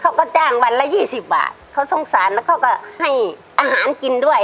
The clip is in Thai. เขาก็จ้างวันละยี่สิบบาทเขาสงสารแล้วเขาก็ให้อาหารกินด้วย